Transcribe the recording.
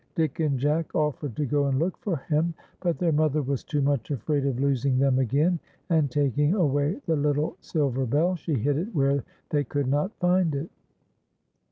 Dick and Jack offered to go and look for him, but their mother was too much afraid of losing them again, and taking away the little silver bell, she hid it where they could not find it.